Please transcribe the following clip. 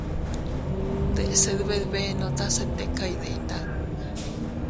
Deʼse dbedbenota se tika iydita.